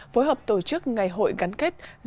phối hợp tổ chức ngày hội gắn kết